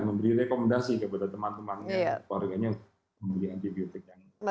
memberi rekomendasi kepada teman temannya keluarganya yang membeli antibiotik